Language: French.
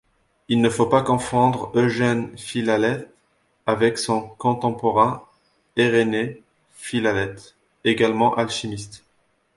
Il ne faut pas confondre Eugène Philalèthe avec son contemporain Eyrénée Philalèthe, également alchimiste.